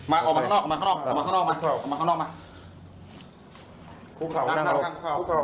เอามาข้างนอก